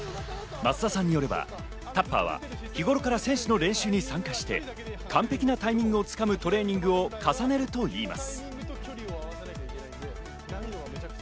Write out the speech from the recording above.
松田さんによればタッパーは日頃から選手の練習に参加して、完璧なタイミングをつかむトレーニングを重ねるといいます。